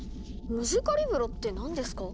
ムジカリブロって何ですか？